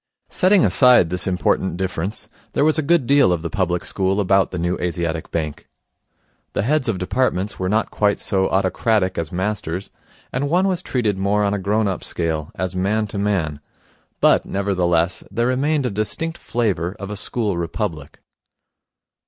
Setting aside this important difference, there was a good deal of the public school about the New Asiatic Bank. The heads of departments were not quite so autocratic as masters, and one was treated more on a grown up scale, as man to man; but, nevertheless, there remained a distinct flavour of a school republic.